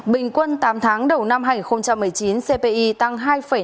bình quân tám tháng đầu năm hai nghìn một mươi chín cpi tăng hai năm mươi bảy